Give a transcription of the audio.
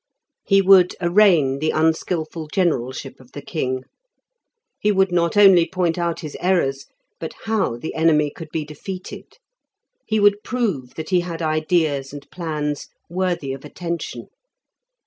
He would arraign the unskilful generalship of the king; he would not only point out his errors, but how the enemy could be defeated. He would prove that he had ideas and plans worthy of attention.